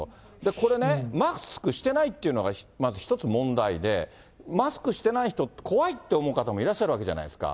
これね、マスクしてないというのがまず一つ問題で、マスクしてない人、怖いって思う方もいらっしゃるわけじゃないですか。